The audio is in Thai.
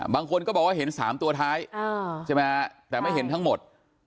บางคนก็บอกว่าเห็น๓ตัวท้ายใช่ไหมฮะแต่ไม่เห็นทั้งหมด